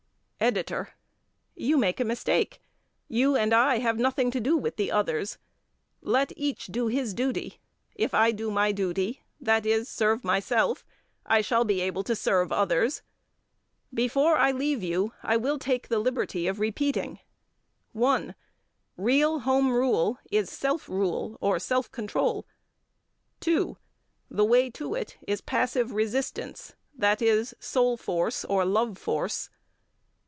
EDITOR: You make a mistake. You and I have nothing to do with the others. Let each do his duty. If I do my duty, that is, serve myself, I shall be able to serve others. Before I leave you, I will take the liberty of repeating. 1. Real home rule is self rule or self control. 2. The way to it is passive resistance: that is soul force or love force.